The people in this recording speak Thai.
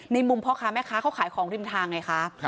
มุมพ่อค้าแม่ค้าเขาขายของริมทางไงคะ